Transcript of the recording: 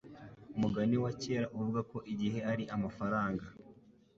Umugani wa kera uvuga ko igihe ari amafaranga.